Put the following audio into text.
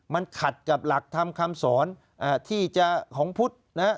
มันขัดกับหลักธรรมคำสอนที่จะของพุทธนะฮะ